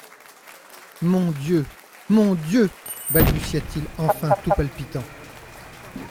Mon Dieu ! mon Dieu ! balbutia-t-il enfin tout palpitant.